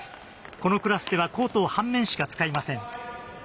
このクラスではコートを半面しか使いません。